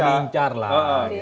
yang lincar lah